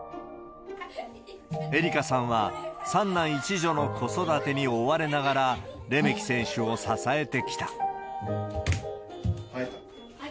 恵梨佳さんは、３男１女の子育てに追われながら、レメキ選手を支えてきた。